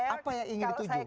apa yang ingin dituju